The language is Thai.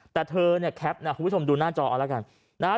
แต่เธอแคปคุณผู้ชมดูหน้าจอออกละกันนะครับ